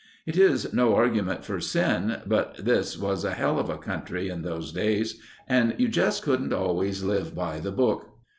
"It is no argument for sin, but this was a hell of a country in those days and you just couldn't always live by the Book."